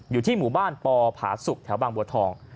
อยู่ที่หมู่บ้านปอผาสุกแถวบางบัวทอง